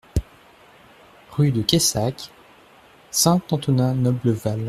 Rue de Cayssac, Saint-Antonin-Noble-Val